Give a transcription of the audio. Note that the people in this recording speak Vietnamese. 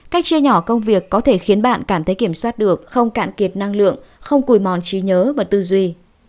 cách chia nhỏ công việc có thể khiến bạn cảm thấy kiểm soát được không cạn kiệt năng lượng không cùi mòn trí nhớ và tư duy